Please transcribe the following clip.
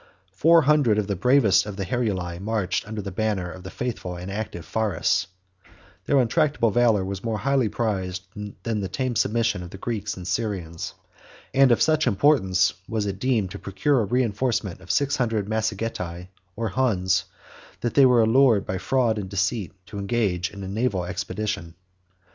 Four hundred of the bravest of the Heruli marched under the banner of the faithful and active Pharas; their untractable valor was more highly prized than the tame submission of the Greeks and Syrians; and of such importance was it deemed to procure a reenforcement of six hundred Massagetae, or Huns, that they were allured by fraud and deceit to engage in a naval expedition.